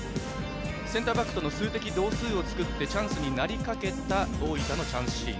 センターバックとの数的同数を作ってチャンスになりかけた大分のチャンスシーン。